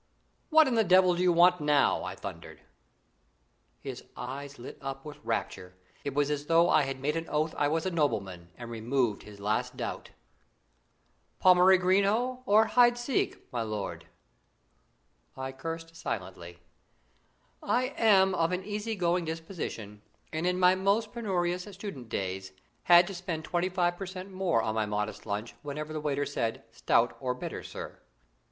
"What in the devil do you want now?" I thundered. His eyes lit up with rapture. It was as though I had made oath I was a nobleman and removed his last doubt. "Pommery Green oh or Hideseek, my lord?" I cursed silently. I am of an easy going disposition, and in my most penurious student days, had to spend twenty five per cent more on my modest lunch whenever the waiter said: "Stout or bitter, sir?"